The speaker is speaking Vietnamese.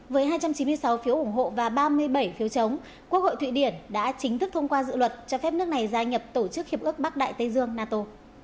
với hai trăm chín mươi sáu phiếu ủng hộ và ba mươi bảy phiếu chống quốc hội thụy điển đã chính thức thông qua dự luật cho phép nước này gia nhập tổ chức hiệp ước bắc đại tây dương nato